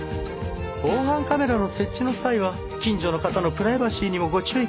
防犯カメラの設置の際は近所の方のプライバシーにもご注意ください。